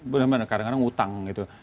bener bener kadang kadang utang gitu